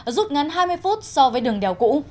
rút ngắn hai mươi phút so với đường đèo cũ